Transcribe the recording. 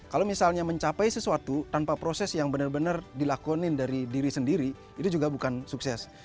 kalau misalnya mencapai sesuatu tanpa proses yang benar benar dilakonin dari diri sendiri itu juga bukan sukses